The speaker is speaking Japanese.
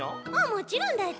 もちろんだち。